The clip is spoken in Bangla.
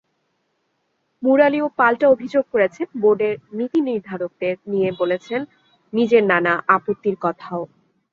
মুরালিও পাল্টা অভিযোগ করেছেন, বোর্ডের নীতিনির্ধারকদের নিয়ে বলেছেন নিজের নানা আপত্তির কথাও।